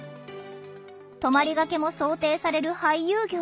泊まりがけも想定される俳優業。